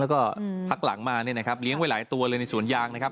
แล้วก็พักหลังมาเนี่ยนะครับเลี้ยงไว้หลายตัวเลยในสวนยางนะครับ